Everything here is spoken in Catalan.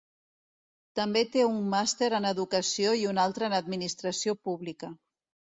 També té un màster en Educació i un altre en Administració Pública.